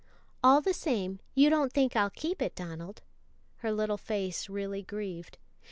"All the same, you don't think I'll keep it, Donald," her little face really grieved.